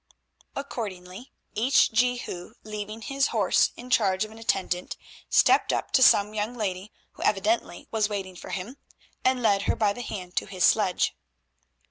Accordingly each Jehu, leaving his horse in charge of an attendant, stepped up to some young lady who evidently was waiting for him, and led her by the hand to his sledge.